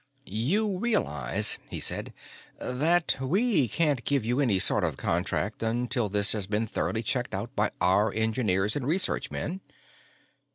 "You realize," he said, "that we can't give you any sort of contract until this has been thoroughly checked by our own engineers and research men?"